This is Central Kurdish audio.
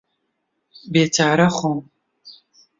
بێچارە خۆم